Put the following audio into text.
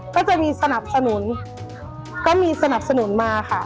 ก็จะมีสนับสนุนมาค่ะ